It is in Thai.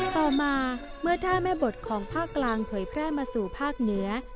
ต่อมาเมื่อท่าแม่บทของภาคกลางเผยแพร่มาสู่ภาคเหนือ